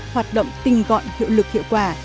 hoạt động tình gọn hiệu lực hiệu quả